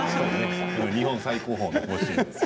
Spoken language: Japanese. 日本最高峰の甲子園です。